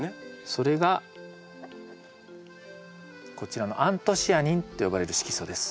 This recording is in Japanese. それがこちらのアントシアニンと呼ばれる色素です。